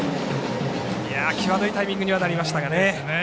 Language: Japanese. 際どいタイミングにはなりましたがね。